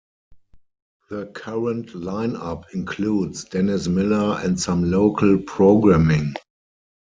The current lineup includes Dennis Miller, and some local programming.